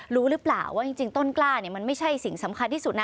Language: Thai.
รู้หรือเปล่าว่าจริงต้นกล้าเนี่ยมันไม่ใช่สิ่งสำคัญที่สุดนะ